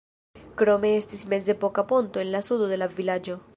Krome estis mezepoka ponto en la sudo de la vilaĝo.